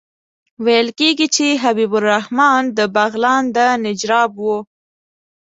ویل کېږي چې حبیب الرحمن د بغلان د نجراب وو.